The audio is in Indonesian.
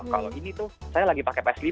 kalau ini tuh saya lagi pakai ps lima